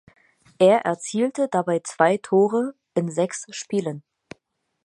Er erzielte dabei zwei Tore in sechs Spielen.